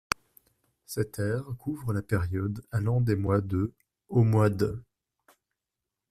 Cette ère couvre la période allant des mois de au mois d'.